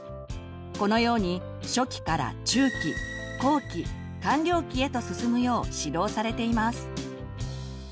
このように初期から中期後期完了期へと進むよう指導されています。